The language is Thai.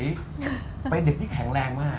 นี่เป็นเด็กที่แข็งแรงมาก